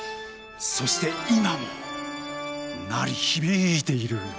そして今も鳴り響いている。